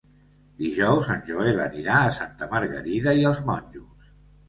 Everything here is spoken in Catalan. Dijous en Joel anirà a Santa Margarida i els Monjos.